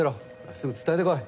すぐ伝えてこい。